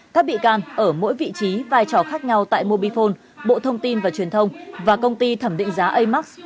các bị can ở mỗi vị trí vai trò khác nhau tại mobifone bộ thông tin và truyền thông và công ty thẩm định giá amax